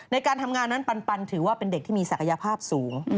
ในการทำงานนั้นปันถือว่าเป็นเด็กที่มีศักยภาพสูง